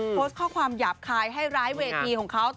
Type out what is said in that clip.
โพสต์ข้อความหยาบคายให้ร้ายเวทีของเขา